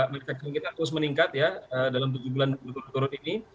meresetnya kita terus meningkat ya dalam tujuh bulan menurun menurun ini